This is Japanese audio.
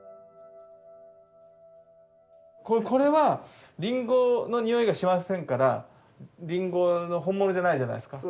これはリンゴの匂いがしませんからリンゴの本物じゃないじゃないですか。